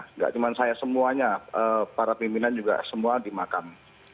enggak cuma saya semuanya para pimpinan juga semua dimakam